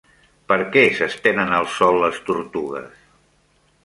Per què s'estenen al sol les tortugues?